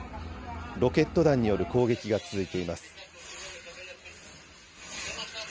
ロケット弾による攻撃が続いています。